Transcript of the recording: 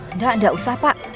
enggak enggak usah pak